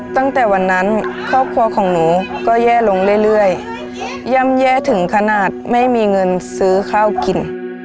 ตั้งแต่วันนั้นครอบครัวของหนูก็แย่ลงเรื่อยย่ำแย่ถึงขนาดไม่มีเงินซื้อข้าวกิน